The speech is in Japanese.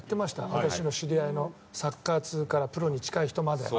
私の知り合いのサッカー通からプロに近い人まで。